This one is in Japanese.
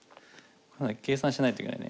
計算しないといけないね。